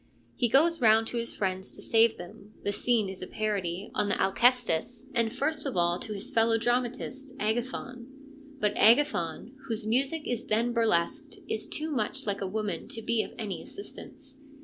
He goes round to his friends to save him (the scene is a parody on the Alcestis), and first of all to his fellow dramatist, Agathon. But Agathon, whose music is then burlesqued, is too much like a woman to be of any assistance.